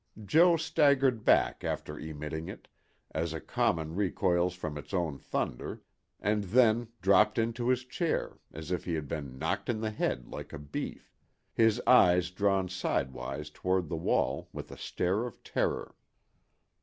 Jo. staggered back after emitting it, as a cannon recoils from its own thunder, and then dropped into his chair, as if he had been "knocked in the head" like a beef—his eyes drawn sidewise toward the wall, with a stare of terror.